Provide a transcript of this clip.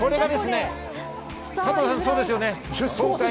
加藤さん、そうですよね？